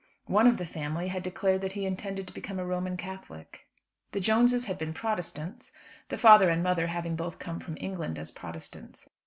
One of the family had declared that he intended to become a Roman Catholic. The Jones's had been Protestants, the father and mother having both come from England as Protestants.